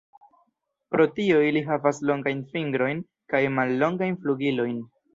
Pro tio ili havas longajn fingrojn kaj mallongajn flugilojn.